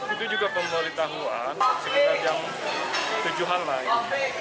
itu juga pemberitahuan sekitar jam tujuhan lain